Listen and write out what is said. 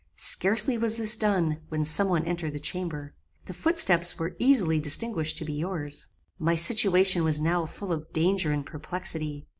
Scarcely was this done, when some one entered the chamber. The footsteps were easily distinguished to be yours. "My situation was now full of danger and perplexity.